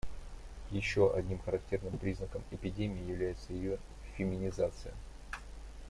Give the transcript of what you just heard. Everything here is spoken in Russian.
Еще одним характерным признаком эпидемии является ее феминизация.